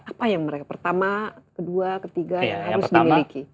apa yang mereka pertama kedua ketiga yang harus dimiliki